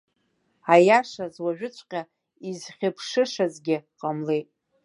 Аиашаз, уажәыҵәҟьа изхьыԥшышазгьы ҟамлеит.